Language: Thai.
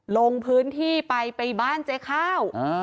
ลงพื้นที่ไปไปบ้านเจ๊ข้าว